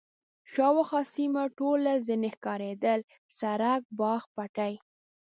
شاوخوا سیمه ټوله ځنې ښکارېدل، سړک، باغ، پټی.